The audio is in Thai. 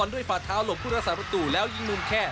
ด้วยฝาดเท้าหลบพุทธศาสตร์ประตูแล้วยิ่งนุ่มแค่